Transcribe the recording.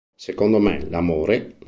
Secondo me, l'amore...